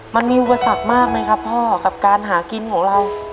มันมีอุปสรรคมากไหมครับพ่อกับการหากินของเรา